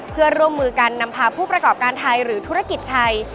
เพื่อร่วมมือกันนำพาผู้ประกอบการไทยหรือธุรกิจไทย